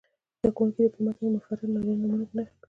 زده کوونکي دې په متن کې مفرد نارینه نومونه په نښه کړي.